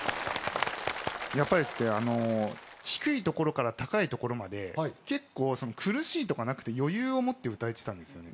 やっぱりですね低いところから高いところまで結構苦しいとかなくて余裕を持って歌えてたんですよね。